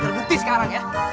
terganti sekarang ya